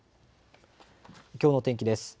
きょうの天気です。